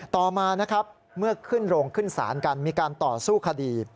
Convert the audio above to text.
ต่อมานะครับเมื่อขึ้นโรงขึ้นศาลกันมีการต่อสู้คดี